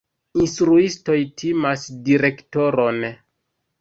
Instruistoj timas direktoron.